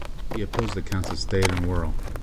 He opposed the counts of Stade and Werl.